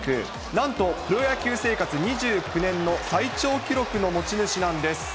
なんと、プロ野球生活２９年の最長記録の持ち主なんです。